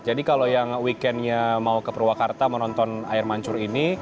jadi kalau yang weekendnya mau ke purwakarta menonton air mancur ini